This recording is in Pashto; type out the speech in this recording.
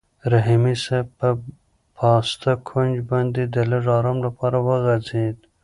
رحیمي صیب په پاسته کوچ باندې د لږ ارام لپاره وغځېد.